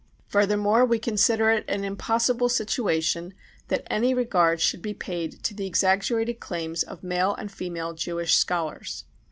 Further more, we consider it an impossible situation that any regard should be paid to the exaggerated claims of male and female Jewish scholars.